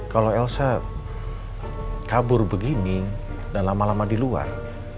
kalau elsa kabur begini dan lama lama di luar